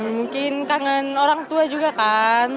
mungkin kangen orang tua juga kan